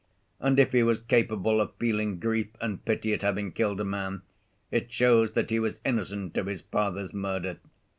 And if he was capable of feeling grief and pity at having killed a man, it shows that he was innocent of his father's murder.